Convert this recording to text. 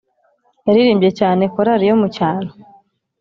yaririmbye cyane korari yo mucyaro